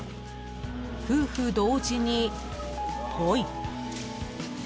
［夫婦同時にぽい］